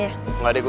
dia pasti marah